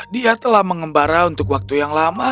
dia telah mengembara untuk waktu yang lama